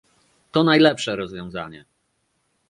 To najlepsze rozwiązanie